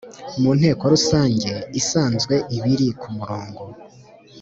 Mu nteko rusange isanzwe ibiri ku murongo